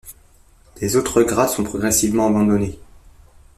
Les autres grades sont progressivement abandonnés.